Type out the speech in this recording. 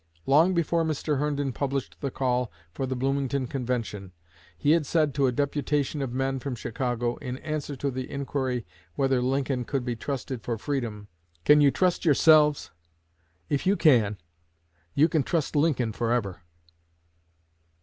Long before Mr. Herndon published the call for the Bloomington convention, he had said to a deputation of men from Chicago, in answer to the inquiry whether Lincoln could be trusted for freedom: "Can you trust yourselves? If you can, you can trust Lincoln forever."